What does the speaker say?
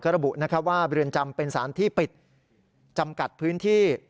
ระบุว่าเรือนจำเป็นสารที่ปิดจำกัดพื้นที่